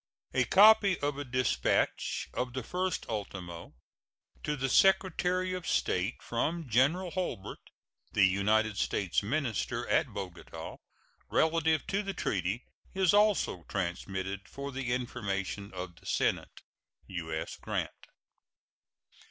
A copy of a dispatch of the 1st ultimo to the Secretary of State from General Hurlbut, the United States minister at Bogota, relative to the treaty, is also transmitted for the information of the Senate. U.S. GRANT.